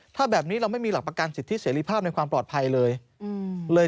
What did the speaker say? ถ้าแบบนี้เราไม่มีหลักประกันสิทธิเสรีภาพในความปลอดภัยเลย